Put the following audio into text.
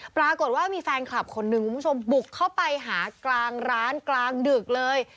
ปรากฏว่ามีแฟนคลับคนหนึ่งคุณผู้ชมบุกเข้าไปหากลางร้านกลางดึกเลย